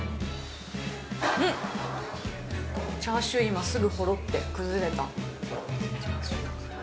んっ、チャーシュー、今、すぐほろって崩れた。